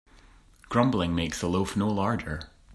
Grumbling makes the loaf no larger.